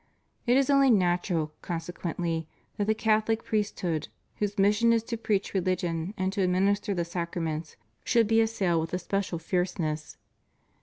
It is only natural, consequently, that the Cathohc priest hood, whose mission is to preach religion and to administer the sacraments, should be assailed with a special fierce ness.